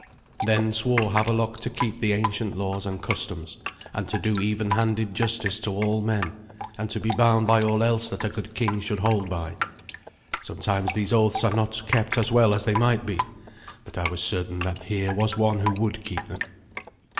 Then swore Havelok to keep the ancient laws and customs, and to do even handed justice to all men, and to be bound by all else that a good king should hold by. Sometimes these oaths are not kept as well as they might be, but I was certain that here was one who would keep them.